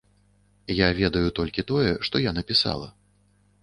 Я ведаю толькі тое, што я напісала.